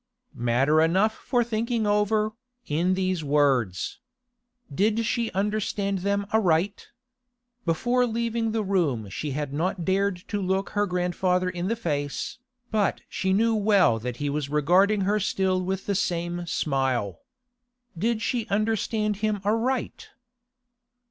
Matter enough for thinking over, in these words. Did she understand them aright? Before leaving the room she had not dared to look her grandfather in the face, but she knew well that he was regarding her still with the same smile. Did she understand him aright?